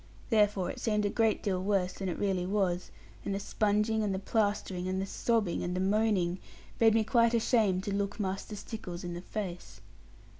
Therefore it seemed a great deal worse than it really was; and the sponging, and the plastering, and the sobbing, and the moaning, made me quite ashamed to look Master Stickles in the face.